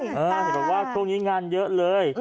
เห็นบอกว่าช่วงนี้งานเยอะเลย